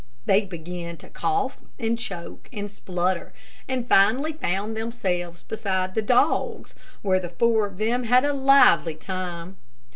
They began to cough, and choke, and splutter, and finally found themselves beside the dogs, where the four of them had a lively time.